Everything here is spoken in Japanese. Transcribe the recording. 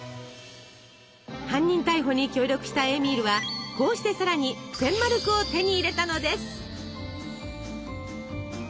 犯人逮捕に協力したエーミールはこうしてさらに１，０００マルクを手に入れたのです。